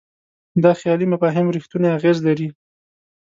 دا خیالي مفاهیم رښتونی اغېز لري.